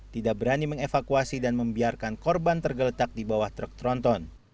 tidak berani mengevakuasi dan membiarkan korban tergeletak di bawah truk tronton